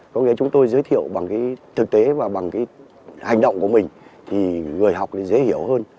có nghĩa là chúng tôi giới thiệu bằng thực tế và bằng hành động của mình thì người học dễ hiểu hơn